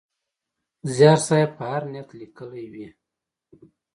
زیار صېب په هر نیت لیکلی وي.